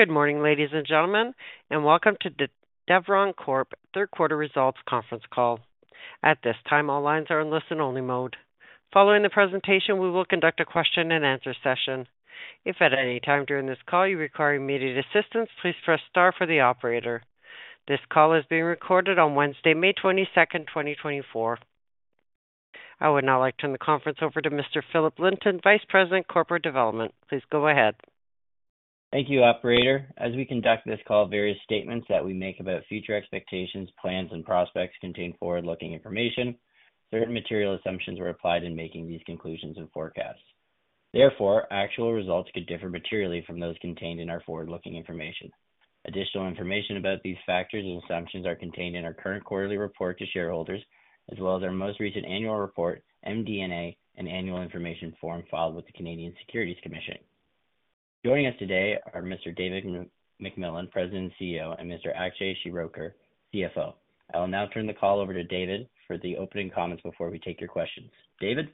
Good morning, ladies and gentlemen, and welcome to the Deveron Corp Third Quarter Results Conference Call. At this time, all lines are in listen-only mode. Following the presentation, we will conduct a question-and-answer session. If at any time during this call you require immediate assistance, please press star for the operator. This call is being recorded on Wednesday, May 22, 2024. I would now like to turn the conference over to Mr. Philip Linton, Vice President, Corporate Development. Please go ahead. Thank you, operator. As we conduct this call, various statements that we make about future expectations, plans, and prospects contain forward-looking information. Certain material assumptions were applied in making these conclusions and forecasts. Therefore, actual results could differ materially from those contained in our forward-looking information. Additional information about these factors and assumptions are contained in our current quarterly report to shareholders, as well as our most recent annual report, MD&A, and annual information form filed with the Canadian Securities Commission. Joining us today are Mr. David MacMillan, President and CEO, and Mr. Akshay Shirodker, CFO. I will now turn the call over to David for the opening comments before we take your questions. David?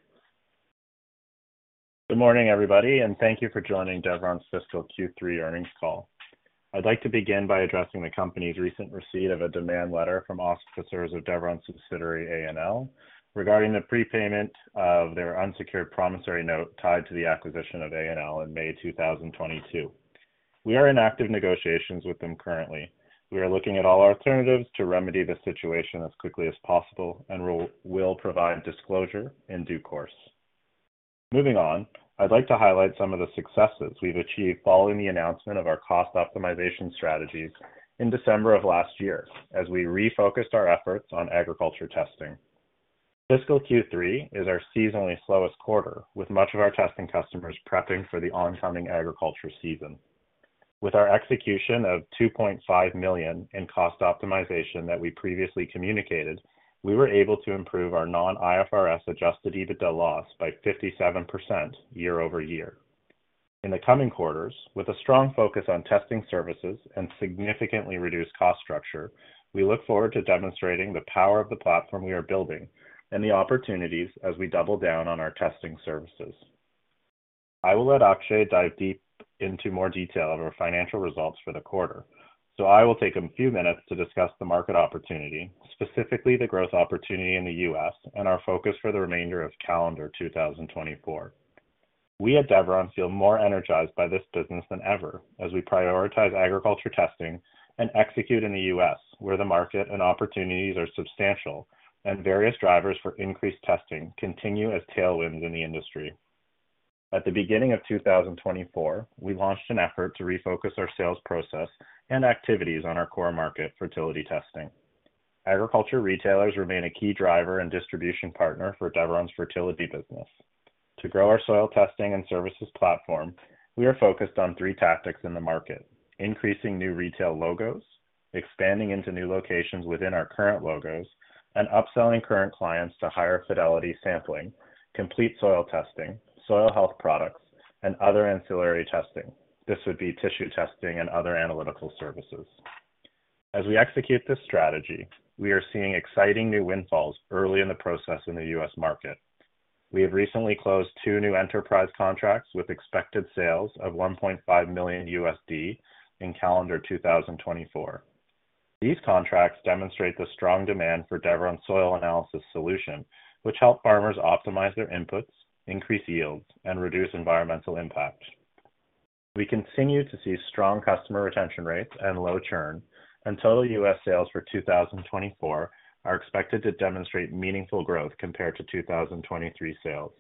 Good morning, everybody, and thank you for joining Deveron's fiscal Q3 earnings call. I'd like to begin by addressing the company's recent receipt of a demand letter from officers of Deveron subsidiary, A&L, regarding the prepayment of their unsecured promissory note tied to the acquisition of A&L in May 2022. We are in active negotiations with them currently. We are looking at all alternatives to remedy the situation as quickly as possible and will provide disclosure in due course. Moving on, I'd like to highlight some of the successes we've achieved following the announcement of our cost optimization strategies in December of last year, as we refocused our efforts on agriculture testing. Fiscal Q3 is our seasonally slowest quarter, with much of our testing customers prepping for the oncoming agriculture season. With our execution of 2.5 million in cost optimization that we previously communicated, we were able to improve our non-IFRS adjusted EBITDA loss by 57% year-over-year. In the coming quarters, with a strong focus on testing services and significantly reduced cost structure, we look forward to demonstrating the power of the platform we are building and the opportunities as we double down on our testing services. I will let Akshay dive deep into more detail of our financial results for the quarter, so I will take a few minutes to discuss the market opportunity, specifically the growth opportunity in the US and our focus for the remainder of calendar 2024. We at Deveron feel more energized by this business than ever as we prioritize agriculture testing and execute in the US, where the market and opportunities are substantial and various drivers for increased testing continue as tailwinds in the industry. At the beginning of 2024, we launched an effort to refocus our sales process and activities on our core market, fertility testing. Agriculture retailers remain a key driver and distribution partner for Deveron's fertility business. To grow our soil testing and services platform, we are focused on three tactics in the market: increasing new retail logos, expanding into new locations within our current logos, and upselling current clients to higher fidelity sampling, complete soil testing, soil health products, and other ancillary testing. This would be tissue testing and other analytical services. As we execute this strategy, we are seeing exciting new wins early in the process in the U.S. market. We have recently closed two new enterprise contracts with expected sales of $1.5 million in calendar 2024. These contracts demonstrate the strong demand for Deveron soil analysis solution, which help farmers optimize their inputs, increase yields, and reduce environmental impact. We continue to see strong customer retention rates and low churn, and total U.S. sales for 2024 are expected to demonstrate meaningful growth compared to 2023 sales.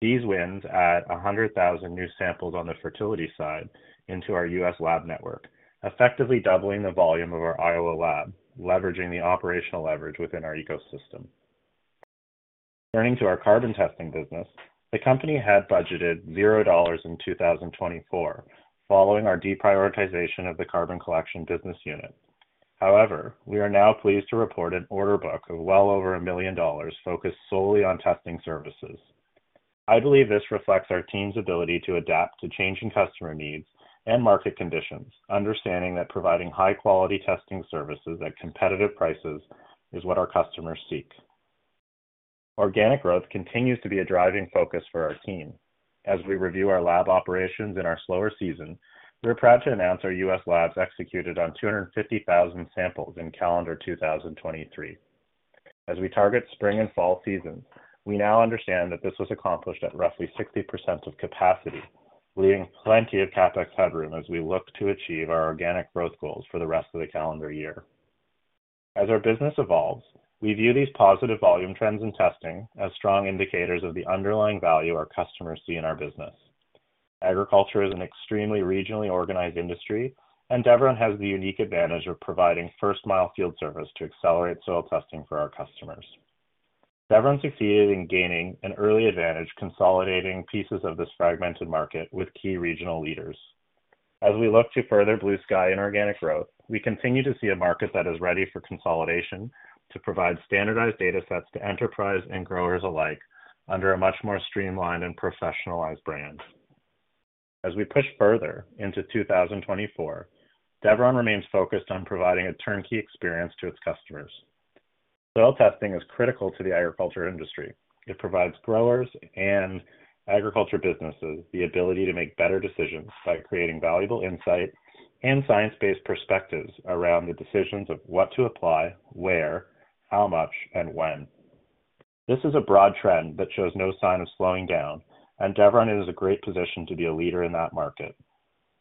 These wins add 100,000 new samples on the fertility side into our U.S. lab network, effectively doubling the volume of our Iowa lab, leveraging the operational leverage within our ecosystem. Turning to our carbon testing business, the company had budgeted $0 in 2024, following our deprioritization of the carbon collection business unit. However, we are now pleased to report an order book of well over $1 million focused solely on testing services. I believe this reflects our team's ability to adapt to changing customer needs and market conditions, understanding that providing high-quality testing services at competitive prices is what our customers seek. Organic growth continues to be a driving focus for our team. As we review our lab operations in our slower season, we're proud to announce our US labs executed on 250,000 samples in calendar 2023. As we target spring and fall seasons, we now understand that this was accomplished at roughly 60% of capacity, leaving plenty of CapEx headroom as we look to achieve our organic growth goals for the rest of the calendar year. As our business evolves, we view these positive volume trends in testing as strong indicators of the underlying value our customers see in our business. Agriculture is an extremely regionally organized industry, and Deveron has the unique advantage of providing first-mile field service to accelerate soil testing for our customers. Deveron succeeded in gaining an early advantage, consolidating pieces of this fragmented market with key regional leaders. As we look to further blue sky and organic growth, we continue to see a market that is ready for consolidation, to provide standardized data sets to enterprise and growers alike under a much more streamlined and professionalized brand. As we push further into 2024, Deveron remains focused on providing a turnkey experience to its customers.... Soil testing is critical to the agriculture industry. It provides growers and agriculture businesses the ability to make better decisions by creating valuable insight and science-based perspectives around the decisions of what to apply, where, how much, and when. This is a broad trend that shows no sign of slowing down, and Deveron is in a great position to be a leader in that market.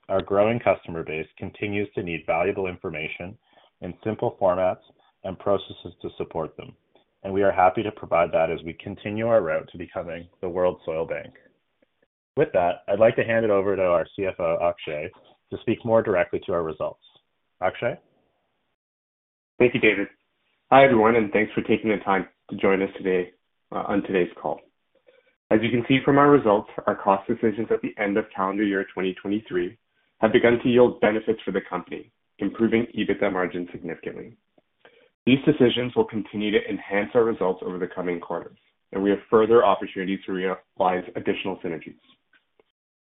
Our growing customer base continues to need valuable information in simple formats and processes to support them, and we are happy to provide that as we continue our route to becoming the world's soil bank. With that, I'd like to hand it over to our CFO, Akshay, to speak more directly to our results. Akshay? Thank you, David. Hi, everyone, and thanks for taking the time to join us today on today's call. As you can see from our results, our cost decisions at the end of calendar year 2023 have begun to yield benefits for the company, improving EBITDA margin significantly. These decisions will continue to enhance our results over the coming quarters, and we have further opportunities to realize additional synergies.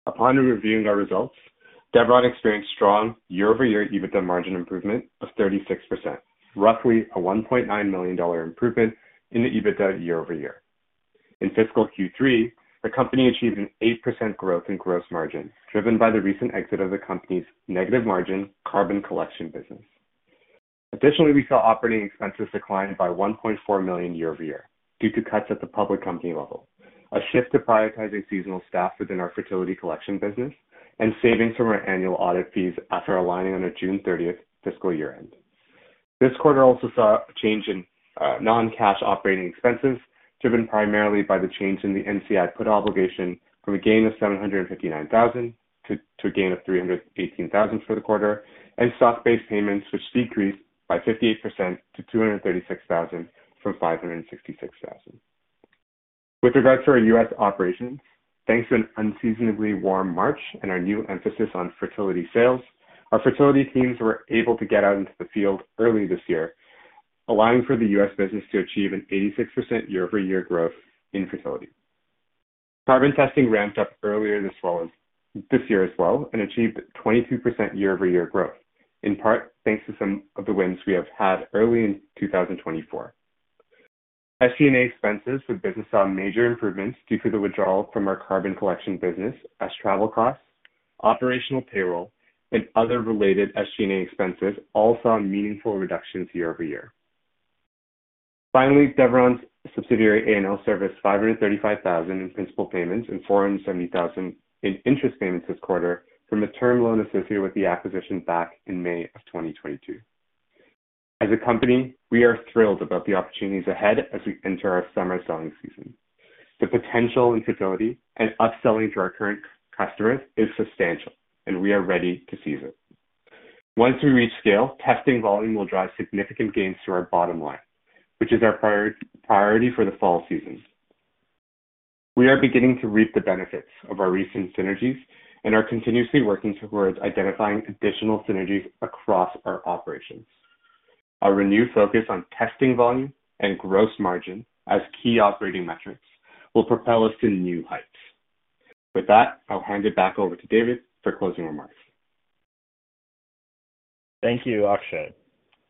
Upon reviewing our results, Deveron experienced strong year-over-year EBITDA margin improvement of 36%, roughly a 1.9 million dollar improvement in the EBITDA year over year. In fiscal Q3, the company achieved an 8% growth in gross margin, driven by the recent exit of the company's negative margin carbon collection business. Additionally, we saw operating expenses decline by 1.4 million year-over-year due to cuts at the public company level, a shift to prioritizing seasonal staff within our fertility collection business, and savings from our annual audit fees after aligning on a June thirtieth fiscal year-end. This quarter also saw a change in non-cash operating expenses, driven primarily by the change in the NCI put obligation from a gain of 759,000 to a gain of 318,000 for the quarter, and stock-based payments, which decreased by 58% to 236,000 from 566,000. With regards to our U.S. operations, thanks to an unseasonably warm March and our new emphasis on fertility sales, our fertility teams were able to get out into the field early this year, allowing for the U.S. business to achieve an 86% year-over-year growth in fertility. Carbon testing ramped up earlier this year as well and achieved 22% year-over-year growth, in part thanks to some of the wins we have had early in 2024. SG&A expenses for business saw major improvements due to the withdrawal from our carbon collection business as travel costs, operational payroll, and other related SG&A expenses all saw meaningful reductions year-over-year. Finally, Deveron's subsidiary, A&L, serviced 535,000 in principal payments and 470,000 in interest payments this quarter from a term loan associated with the acquisition back in May 2022. As a company, we are thrilled about the opportunities ahead as we enter our summer selling season. The potential in fertility and upselling to our current customers is substantial, and we are ready to seize it. Once we reach scale, testing volume will drive significant gains to our bottom line, which is our priority for the fall season. We are beginning to reap the benefits of our recent synergies and are continuously working towards identifying additional synergies across our operations. Our renewed focus on testing volume and gross margin as key operating metrics will propel us to new heights. With that, I'll hand it back over to David for closing remarks. Thank you, Akshay.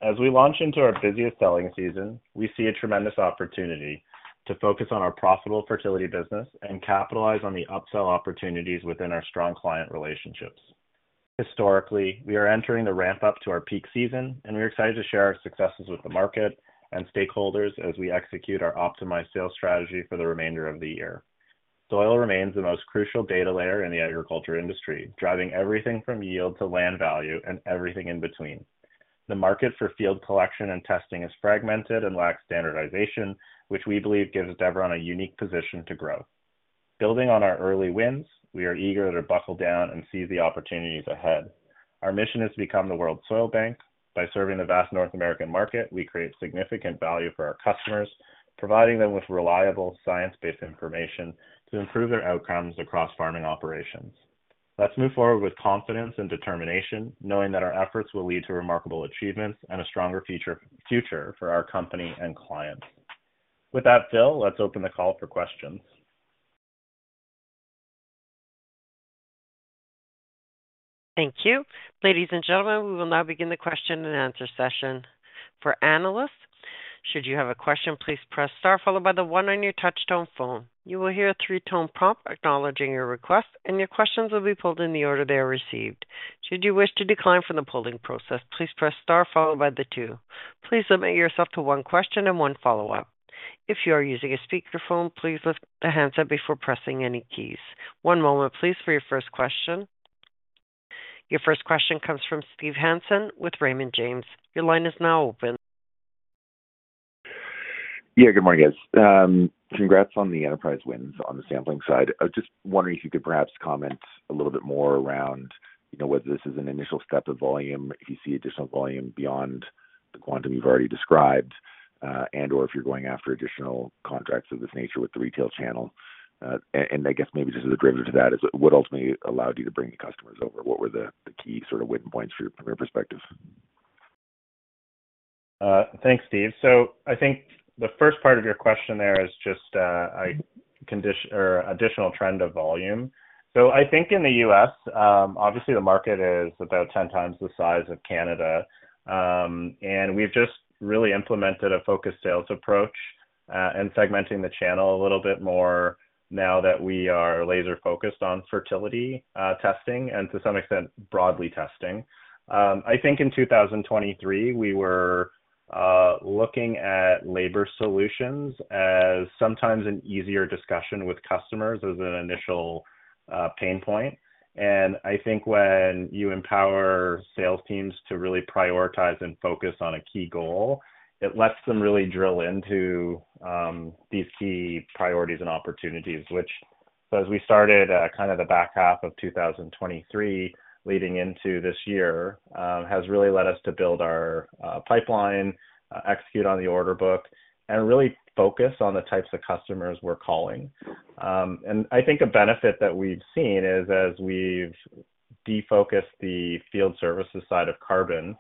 As we launch into our busiest selling season, we see a tremendous opportunity to focus on our profitable fertility business and capitalize on the upsell opportunities within our strong client relationships. Historically, we are entering the ramp-up to our peak season, and we're excited to share our successes with the market and stakeholders as we execute our optimized sales strategy for the remainder of the year. Soil remains the most crucial data layer in the agriculture industry, driving everything from yield to land value and everything in between. The market for field collection and testing is fragmented and lacks standardization, which we believe gives Deveron a unique position to grow. Building on our early wins, we are eager to buckle down and seize the opportunities ahead. Our mission is to become the world's soil bank. By serving the vast North American market, we create significant value for our customers, providing them with reliable, science-based information to improve their outcomes across farming operations. Let's move forward with confidence and determination, knowing that our efforts will lead to remarkable achievements and a stronger future for our company and clients. With that, Phil, let's open the call for questions. Thank you. Ladies and gentlemen, we will now begin the question-and-answer session for analysts. Should you have a question, please press Star followed by the 1 on your touchtone phone. You will hear a three-tone prompt acknowledging your request, and your questions will be pulled in the order they are received. Should you wish to decline from the polling process, please press Star followed by the 2. Please limit yourself to one question and one follow-up. If you are using a speakerphone, please lift the handset before pressing any keys. One moment, please, for your first question. Your first question comes from Steve Hansen with Raymond James. Your line is now open. Yeah, good morning, guys. Congrats on the enterprise wins on the sampling side. I was just wondering if you could perhaps comment a little bit more around, you know, whether this is an initial step of volume, if you see additional volume beyond the quantum you've already described, and/or if you're going after additional contracts of this nature with the retail channel. And, and I guess maybe just as a driver to that, is what ultimately allowed you to bring the customers over? What were the, the key sort of winning points from your perspective? Thanks, Steve. So I think the first part of your question there is just condition or additional trend of volume. So I think in the U.S., obviously, the market is about 10x the size of Canada. And we've just really implemented a focused sales approach, and segmenting the channel a little bit more now that we are laser-focused on fertility testing and to some extent, broadly testing. I think in 2023, we were looking at lab or solutions as sometimes an easier discussion with customers as an initial pain point. And I think when you empower sales teams to really prioritize and focus on a key goal, it lets them really drill into these key priorities and opportunities. Which, as we started kind of the back half of 2023, leading into this year, has really led us to build our pipeline, execute on the order book, and really focus on the types of customers we're calling. And I think a benefit that we've seen is as we've defocused the field services side of carbon,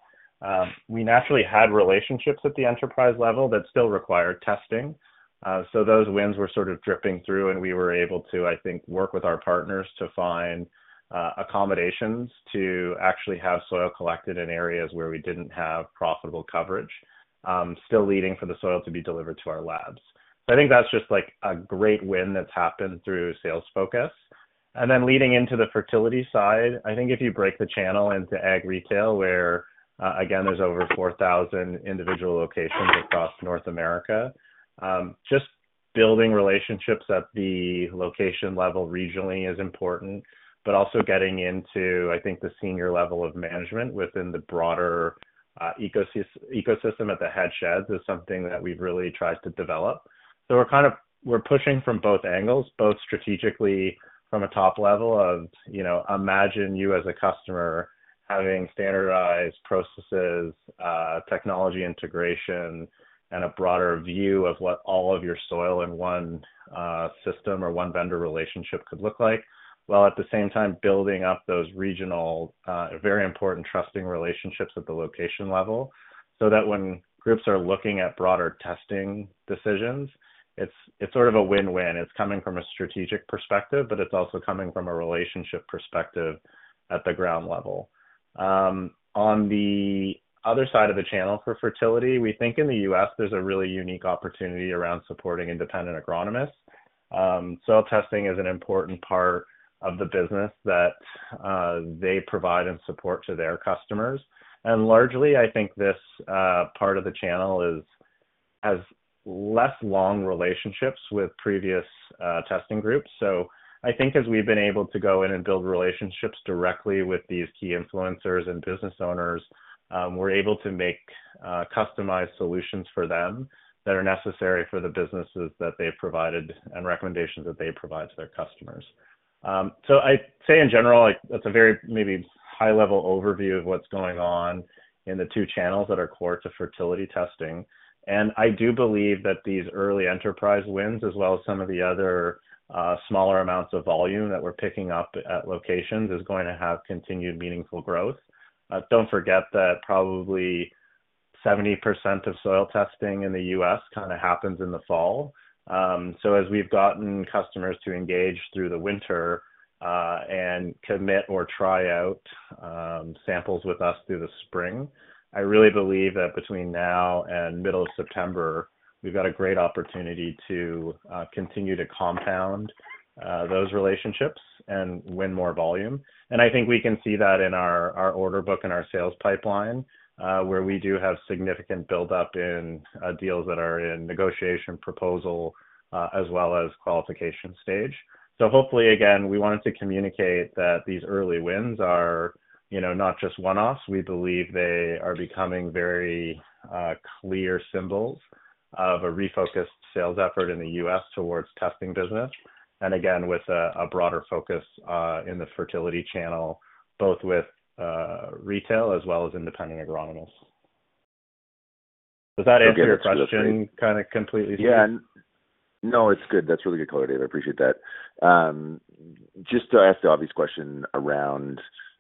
we naturally had relationships at the enterprise level that still required testing. So those wins were sort of dripping through, and we were able to, I think, work with our partners to find accommodations to actually have soil collected in areas where we didn't have profitable coverage, still leading for the soil to be delivered to our labs. So I think that's just like a great win that's happened through sales focus. And then leading into the fertility side, I think if you break the channel into ag retail, where, again, there's over 4,000 individual locations across North America, just building relationships at the location level regionally is important, but also getting into, I think, the senior level of management within the broader, ecosystem at the head sheds is something that we've really tried to develop. So we're pushing from both angles, both strategically from a top level of, you know, imagine you, as a customer, having standardized processes, technology integration, and a broader view of what all of your soil in one system or one vendor relationship could look like, while at the same time building up those regional, very important trusting relationships at the location level, so that when groups are looking at broader testing decisions, it's sort of a win-win. It's coming from a strategic perspective, but it's also coming from a relationship perspective at the ground level. On the other side of the channel for fertility, we think in the US, there's a really unique opportunity around supporting independent agronomists. Soil testing is an important part of the business that they provide and support to their customers. And largely, I think this part of the channel has less long relationships with previous testing groups. So I think as we've been able to go in and build relationships directly with these key influencers and business owners, we're able to make customized solutions for them that are necessary for the businesses that they've provided and recommendations that they provide to their customers. So I'd say in general, like, that's a very maybe high-level overview of what's going on in the two channels that are core to fertility testing. And I do believe that these early enterprise wins, as well as some of the other smaller amounts of volume that we're picking up at locations, is going to have continued meaningful growth. Don't forget that probably 70% of soil testing in the US kinda happens in the fall. So as we've gotten customers to engage through the winter, and commit or try out samples with us through the spring, I really believe that between now and middle of September, we've got a great opportunity to continue to compound those relationships and win more volume. And I think we can see that in our, our order book and our sales pipeline, where we do have significant buildup in deals that are in negotiation proposal, as well as qualification stage. So hopefully, again, we wanted to communicate that these early wins are, you know, not just one-offs. We believe they are becoming very clear symbols of a refocused sales effort in the U.S. towards testing business, and again, with a, a broader focus in the fertility channel, both with retail as well as independent agronomists. Does that answer your question kinda completely? Yeah. No, it's good. That's really good color, Dave. I appreciate that. Just to ask the obvious question around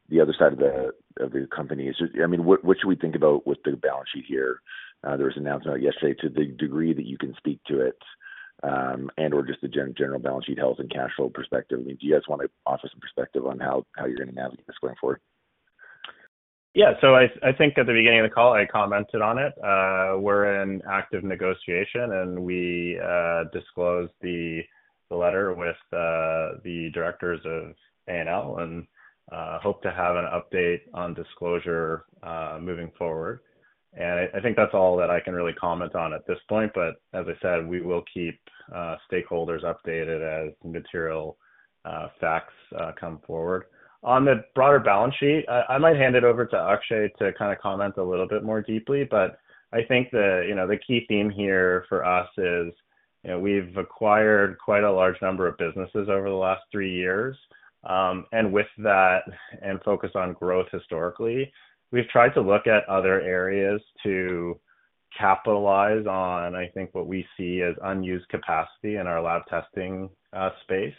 the other side of the company. I mean, what should we think about with the balance sheet here? There was an announcement yesterday to the degree that you can speak to it, and/or just the general balance sheet health and cash flow perspective. I mean, do you guys want to offer some perspective on how you're going to navigate this going forward? Yeah. So I think at the beginning of the call, I commented on it. We're in active negotiation, and we disclosed the letter with the directors of A&L and hope to have an update on disclosure moving forward. And I think that's all that I can really comment on at this point, but as I said, we will keep stakeholders updated as material facts come forward. On the broader balance sheet, I might hand it over to Akshay to kind of comment a little bit more deeply, but I think the, you know, the key theme here for us is, you know, we've acquired quite a large number of businesses over the last three years. And with that and focus on growth historically, we've tried to look at other areas to capitalize on, I think, what we see as unused capacity in our lab testing space,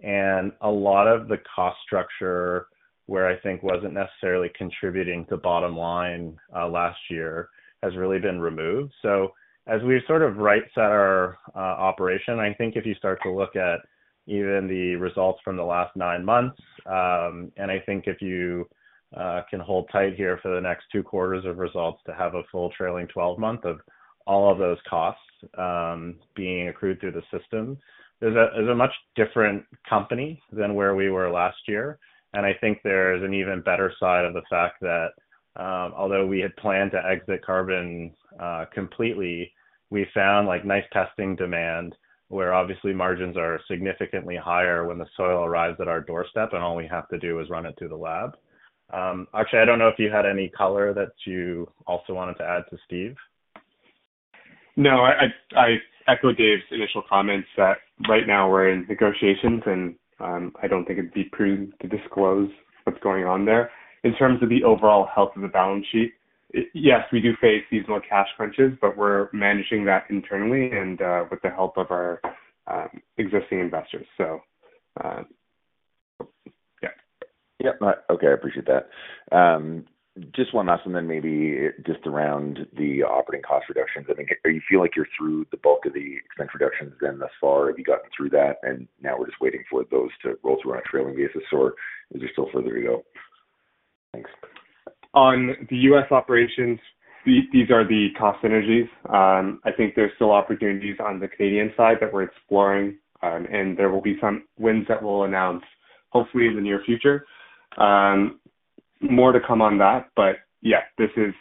and a lot of the cost structure, where I think wasn't necessarily contributing to bottom line last year, has really been removed. So as we sort of right set our operation, I think if you start to look at even the results from the last 9 months, and I think if you can hold tight here for the next 2 quarters of results to have a full trailing 12-month of all of those costs being accrued through the system, there's a, there's a much different company than where we were last year. I think there's an even better side of the fact that, although we had planned to exit carbon completely, we found like nice testing demand, where obviously margins are significantly higher when the soil arrives at our doorstep, and all we have to do is run it through the lab. Actually, I don't know if you had any color that you also wanted to add to Steve? No, I echo Dave's initial comments that right now we're in negotiations and, I don't think it'd be prudent to disclose what's going on there. In terms of the overall health of the balance sheet, yes, we do face seasonal cash crunches, but we're managing that internally and, with the help of our, existing investors. So, yeah. Yep. Okay, I appreciate that. Just one last one, then maybe just around the operating cost reductions. I think, are you feeling like you're through the bulk of the expense reductions then thus far? Have you gotten through that, and now we're just waiting for those to roll through on a trailing basis, or is there still further to go? Thanks. On the U.S. operations, these are the cost synergies. I think there's still opportunities on the Canadian side that we're exploring, and there will be some wins that we'll announce, hopefully in the near future. More to come on that, but yeah, this is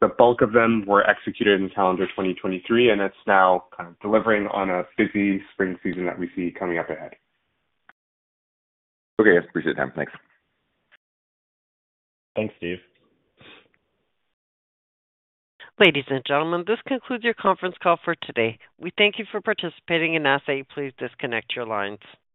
the bulk of them were executed in calendar 2023, and it's now kind of delivering on a busy spring season that we see coming up ahead. Okay. Yes, appreciate the time. Thanks. Thanks, Steve. Ladies and gentlemen, this concludes your conference call for today. We thank you for participating, and I ask that you please disconnect your lines.